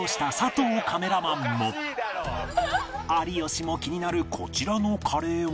有吉も気になるこちらのカレーは